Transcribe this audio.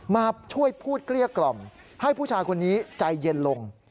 มาช่วยพูดเกลี้ยกล่อมให้ผู้ชายคนนี้ใจเย็นลง